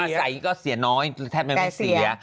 อยู่อาศัยก็เสียน้อยแทบไม่มีเสีย